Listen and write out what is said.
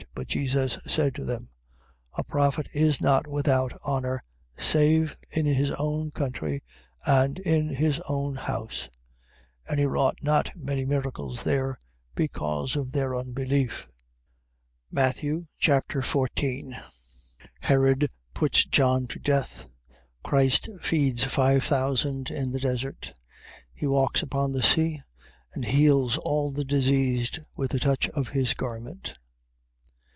But Jesus said to them: A prophet is not without honour, save in his own country, and in his own house. 13:58. And he wrought not many miracles there, because of their unbelief. Matthew Chapter 14 Herod puts John to death. Christ feeds five thousand in the desert. He walks upon the sea, and heals all the diseased with the touch of his garment.